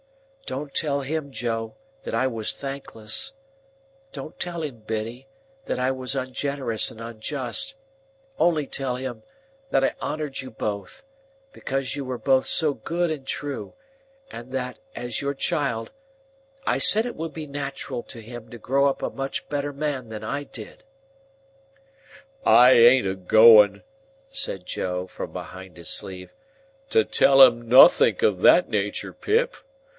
Don't tell him, Joe, that I was thankless; don't tell him, Biddy, that I was ungenerous and unjust; only tell him that I honoured you both, because you were both so good and true, and that, as your child, I said it would be natural to him to grow up a much better man than I did." "I ain't a going," said Joe, from behind his sleeve, "to tell him nothink o' that natur, Pip.